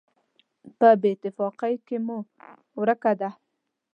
په بېاتفاقۍ کې مو ورکه ده.